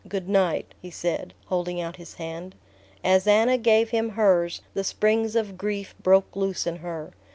"Good night," he said, holding out his hand. As Anna gave him hers the springs of grief broke loose in her.